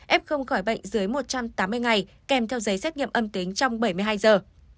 f không khỏi bệnh dưới một trăm tám mươi ngày kèm theo giấy xét nghiệm âm tính trong bảy mươi hai giờ